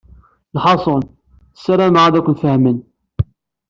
Lḥaṣul, ssarameɣ ad ken-fehmen.